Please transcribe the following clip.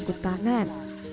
tapi dia berpanggung tangan